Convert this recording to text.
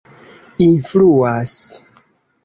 influas